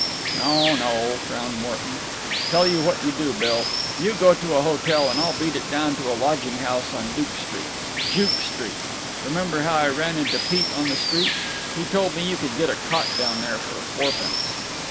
"No, no!" frowned Morton. "Tell you what you do, Bill. You go to a hotel, and I'll beat it down to a lodging house on Duke Street…. Juke Street!… Remember how I ran onto Pete on the street? He told me you could get a cot down there for fourpence."